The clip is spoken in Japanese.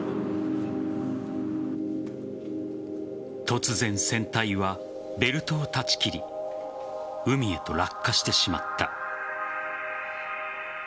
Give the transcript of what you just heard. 突然、船体はベルトを断ち切り海へと落下してしまった。